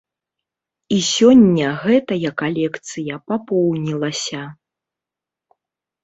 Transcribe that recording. І сёння гэтая калекцыя папоўнілася.